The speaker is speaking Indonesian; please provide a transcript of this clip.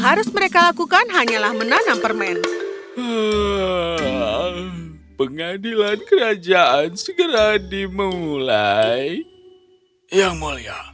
harus mereka lakukan hanyalah menanam permen pengadilan kerajaan segera dimulai yang mulia